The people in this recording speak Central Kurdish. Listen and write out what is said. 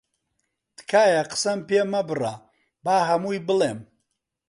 تکایە قسەم پێ مەبڕە، با هەمووی بڵێم.